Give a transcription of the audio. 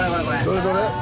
どれどれ？